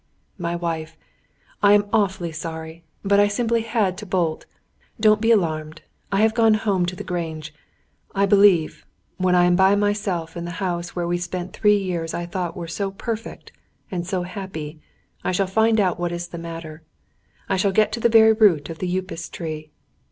"My wife I am awfully sorry, but I simply had to bolt. Don't be alarmed. I have gone home to the Grange. I believe, when I am by myself in the house where we spent the three years I thought so perfect and so happy, I shall find out what is the matter; I shall get to the very root of the Upas tree.